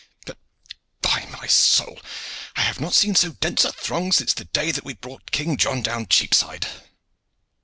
But, by my soul! I have not seen so dense a throng since the day that we brought King John down Cheapside."